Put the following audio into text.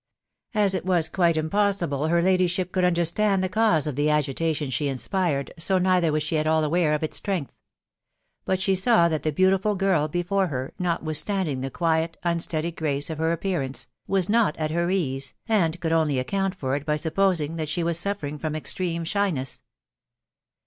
As it was quite impossible her ladyship could understand the cause of the agitation she inspired, so neither wu she at all aware of ta ttxengfaL*, W\.%Y*ft isvw that •=m'»"" THE WIDOW BABNABY. 30& 1 the beautiful girl before her, notwithstanding the quiet, un studied grace of her appearance, was not at her ease, and could only account for it by supposing that she was suffering from extreme shiness.